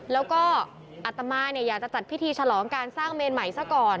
แล้วก็อัตมาอยากจะจัดพิธีฉลองการสร้างเมนใหม่ซะก่อน